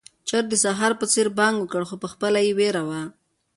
چرګ د سهار په څېر بانګ وکړ، خو پخپله يې وېره وه.